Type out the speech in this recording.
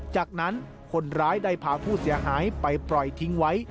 จากนั้นคนร้ายได้พาผู้เสียหายไปปล่อยทิ้งไว้